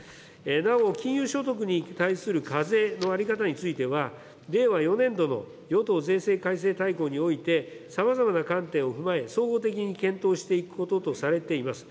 なお、金融所得に対する課税の在り方については、令和４年度の与党税制改正大綱において、さまざまな観点を踏まえ、総合的に検討していくこととされています。